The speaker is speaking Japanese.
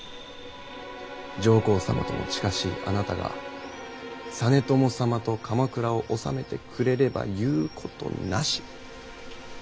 上皇様とも近しいあなたが実朝様と鎌倉を治めてくれれば言うことなし。